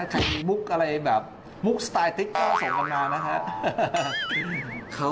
ใครมีมุกอะไรแบบมุกสไตล์เทคโน้นส่วนกันหนอนนะคะ